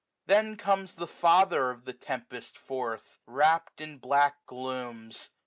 Then comes the father of the tempest forth^ Wrapt in black glooms.